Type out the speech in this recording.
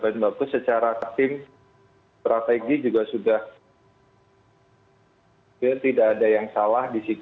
dan bagus secara tim strategi juga sudah tidak ada yang salah di situ